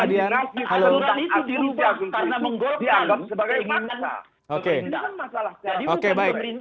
jadi bukan pemerintah aturan bukan tugas saja